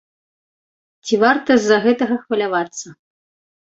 Ці варта з-за гэтага хвалявацца?